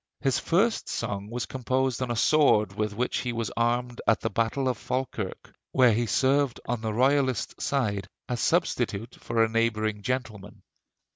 His first song was composed on a sword with which he was armed at the battle of Falkirk where he served on the Royalist side as substitute for a neighboring gentleman.